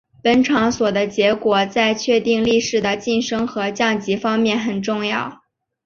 本场所的结果在确定力士的晋升和降级方面很重要。